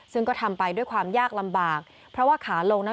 ซึ่งก็ทำไปด้วยความยากลำบาก